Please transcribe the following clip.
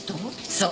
そう。